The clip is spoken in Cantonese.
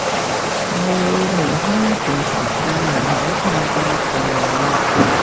我會離開一段時間，唔好太掛住我